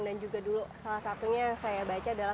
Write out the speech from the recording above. dan juga dulu salah satunya yang saya baca adalah